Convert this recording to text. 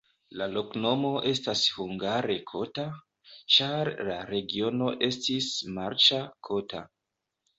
La loknomo estas hungare kota, ĉar la regiono estis marĉa, kota.